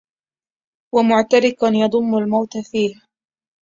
ومعترك يضم الموت فيه